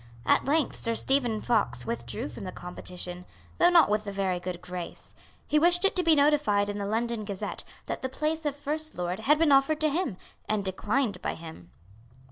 At length Sir Stephen Fox withdrew from the competition, though not with a very good grace. He wished it to be notified in the London Gazette that the place of First Lord had been offered to him, and declined by him.